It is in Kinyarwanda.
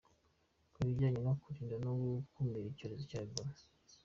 mu bijyanye no kwirinda no gukumira icyorezo cya Ebola.